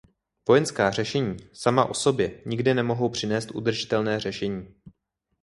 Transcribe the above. Vojenská řešení sama o sobě nikdy nemohou přinést udržitelné řešení.